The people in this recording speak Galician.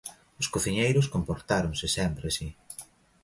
Os cociñeiros comportáronse sempre así.